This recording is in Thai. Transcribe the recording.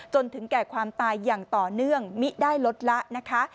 จนถึงแก่ความตายอย่างต่อเนื่องมิได้ลดละนะคะ